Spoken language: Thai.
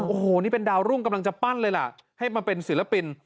โอ้โหนี่เป็นดาวรุ่งกำลังจะปั้นเลยล่ะให้มาเป็นศิลปิน